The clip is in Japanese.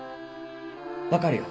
分かるよ。